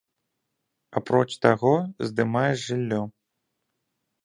Апроч таго, здымае жыллё.